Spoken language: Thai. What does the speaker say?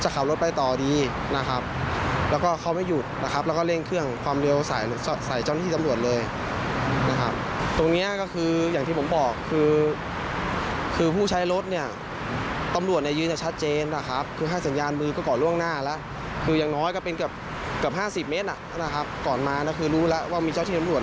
ก็เป็นกับ๕๐เมตรนะครับก่อนมารู้แล้วว่ามีเจ้าที่ตำรวจ